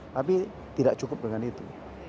tapi tidak cukup dengan itu